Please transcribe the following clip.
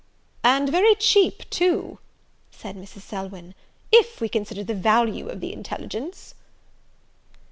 "And very cheap too," said Mrs. Selwyn, "if we consider the value of the intelligence."